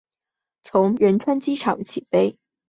从仁川国际机场起飞。